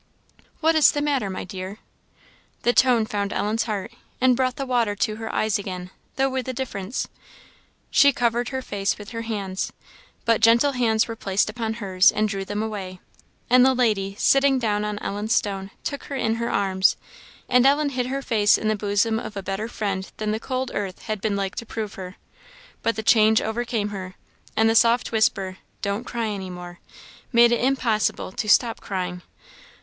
"What is the matter, my dear?" The tone found Ellen's heart, and brought the water to her eyes again, though with a difference. She covered her face with her hands. But gentle hands were placed upon hers, and drew them away; and the lady, sitting down on Ellen's stone, took her in her arms; and Ellen hid her face in the bosom of a better friend than the cold earth had been like to prove her. But the change overcame her; and the soft whisper, "Don't cry any more," made it impossible to stop crying.